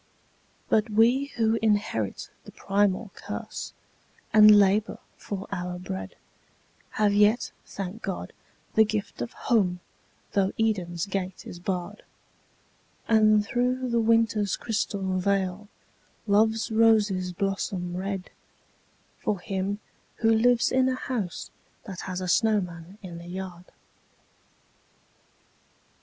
But we who inherit the primal curse, and labour for our bread, Have yet, thank God, the gift of Home, though Eden's gate is barred: And through the Winter's crystal veil, Love's roses blossom red, For him who lives in a house that has a snowman in the yard.